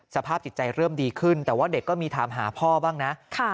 สภาพจิตใจเริ่มดีขึ้นแต่ว่าเด็กก็มีถามหาพ่อบ้างนะ